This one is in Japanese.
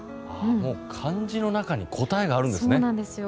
漢字の中に答えがあるんですね。